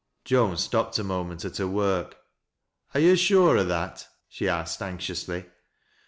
Joan stopped a moment at her work. " Are yo' sure o' that ?" she asked, anxiously.